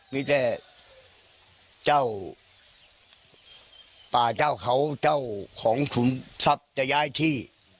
มีแต่เจ้าป่าเจ้าเขาเจ้าของขุมทรัพย์จะย้ายที่